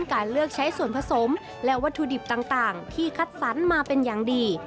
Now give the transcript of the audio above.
การเลือกใช้ส่วนผสมและวัตถุดิบต่างที่คัดสรรมาเป็นอย่างดี